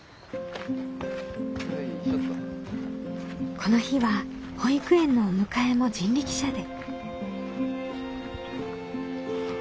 この日は保育園のお迎えも人力車で。